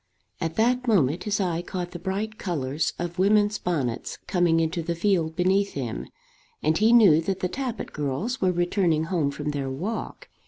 At that moment his eye caught the bright colours of women's bonnets coming into the field beneath him, and he knew that the Tappitt girls were returning home from their walk.